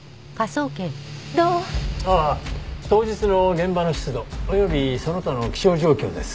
当日の現場の湿度およびその他の気象状況です。